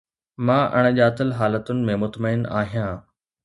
مان اڻڄاتل حالتن ۾ مطمئن آهيان